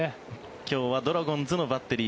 今日はドラゴンズのバッテリー。